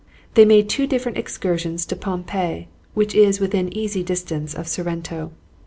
They made two different excursions to Pompeii, which is within easy distance of Sorrento.